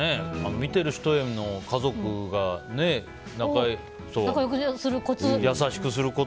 見てる人への家族と仲良くするコツ。